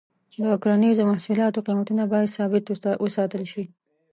د کرنیزو محصولاتو قیمتونه باید ثابت وساتل شي.